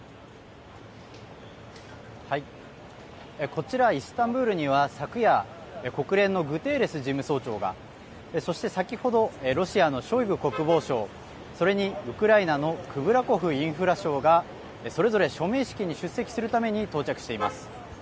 こちら、イスタンブールには昨夜国連のグテーレス事務総長がそして先ほどロシアのショイグ国防相それにウクライナのクブラコフ・インフラ相がそれぞれ署名式に出席するために到着しています。